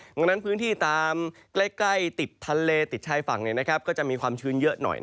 ดังนั้นพื้นที่ตามใกล้ติดทะเลติดชายฝั่งก็จะมีความชื้นเยอะหน่อย